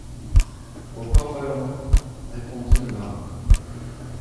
Au port Ballon, répondit le marin.